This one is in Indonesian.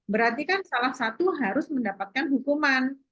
berarti kan salah satu harus mendapatkan hukuman